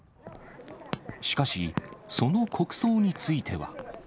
しかし、その国葬については。